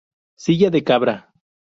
Silla de Cabra.